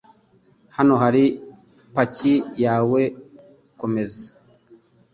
Hano hari paki yawe kumeza.